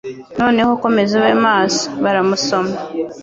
Noneho, komeza ube maso!" baramusoma.